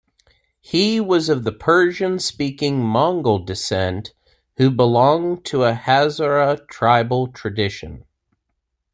He was of the Persian-speaking Mongol descent who belonged to a Hazara tribal tradition.